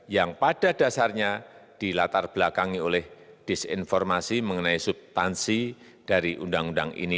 yang pada dasarnya dilatar belakangi oleh disinformasi mengenai subtansi dari undang undang ini